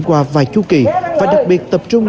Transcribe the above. qua vài chư kỳ và đặc biệt tập trung